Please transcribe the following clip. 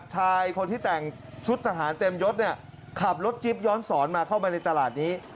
ชายคนที่แต่งชุดทหารเต็มยศเนี่ยขับรถจิ๊บย้อนสอนมาเข้ามาในตลาดนี้